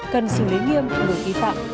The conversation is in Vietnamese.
cần xử lý nghiêm được ý phạm